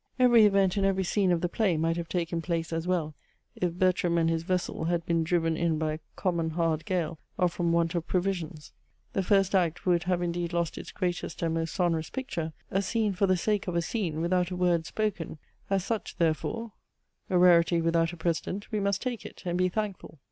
Every event and every scene of the play might have taken place as well if Bertram and his vessel had been driven in by a common hard gale, or from want of provisions. The first act would have indeed lost its greatest and most sonorous picture; a scene for the sake of a scene, without a word spoken; as such, therefore, (a rarity without a precedent), we must take it, and be thankful!